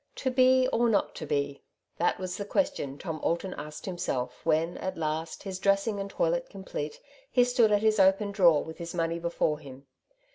'^ To be, or not to be ?" that was the question Tom Alton asked himself when at last, his dressing and toilet complete, he stood at his open drawer, with his money before him.